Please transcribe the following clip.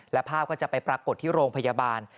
และภาพก็จะไปปรากฏที่โรงพยาบาล